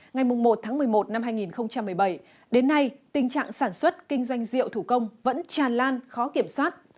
ngày một tháng một mươi một năm hai nghìn một mươi bảy đến nay tình trạng sản xuất kinh doanh rượu thủ công vẫn tràn lan khó kiểm soát